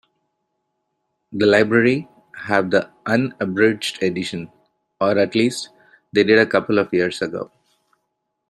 The library have the unabridged edition, or at least they did a couple of years ago.